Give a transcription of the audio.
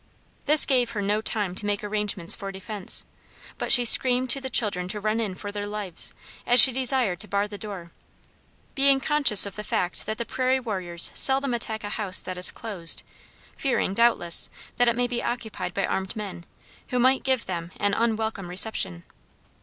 This gave her no time to make arrangements for defense; but she screamed to the children to run in for their lives, as she desired to bar the door, being conscious of the fact that the prairie warriors seldom attack a house that is closed, fearing, doubtless, that it may be occupied by armed men, who might give them an unwelcome reception.